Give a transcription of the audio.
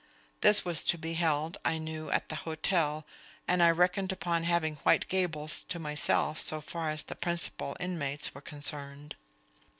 This was to be held, I knew, at the hotel, and I reckoned upon having White Gables to myself so far as the principal inmates were concerned.